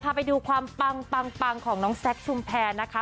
พาไปดูความปังของแซ็กชุมแพ้นะคะ